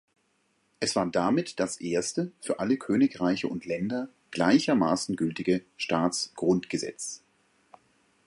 Es war damit das erste für alle Königreiche und Länder gleichermaßen gültige Staatsgrundgesetz.